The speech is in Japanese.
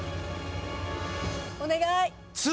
お願い。